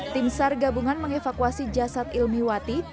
tim sar gabungan mengevakuasi jasad ilmiwati